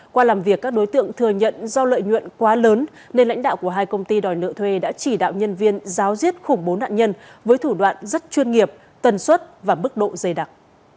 qua làm việc các đối tượng thừa nhận do lợi nhuận quá lớn nên lãnh đạo của hai công ty đòi nợ thuê đã chỉ đạo nhân viên giáo diết khủng bố nạn nhân với thủ đoạn rất chuyên nghiệp tần suất và mức độ dày đặc